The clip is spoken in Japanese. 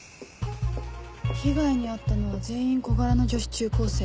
被害に遭ったのは全員小柄な女子中高生。